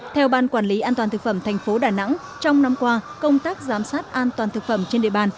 theo ban quản lý an toàn thực phẩm thành phố đà nẵng trong năm qua công tác giám sát an toàn thực phẩm trên địa bàn